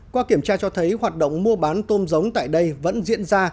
qua kiểm tra cho thấy hoạt động mua bán tôm giống tại đây vẫn diễn ra